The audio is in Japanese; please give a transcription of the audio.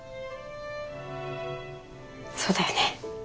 そうだよね。